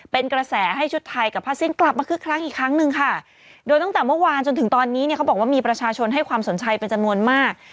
เป็นกระแสให้ชุดไทยกับผ้าสิ้นกลับมาคึกคลักอีกครั้งหนึ่งค่ะโดยตั้งแต่เมื่อวานจนถึงตอนนี้เนี่ยเขาบอกว่ามีประชาชนให้ความสนใจเป็นจำนวนมาก